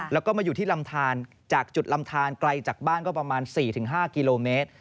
แล้วก็มาอยู่ที่ลำทานจากจุดลำทานไกลจากบ้านก็ประมาณ๔๕กิโลเมตร